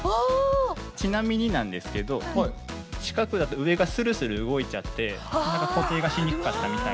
ちなみになんですけど四角だと上がスルスル動いちゃって固定がしにくかったみたい。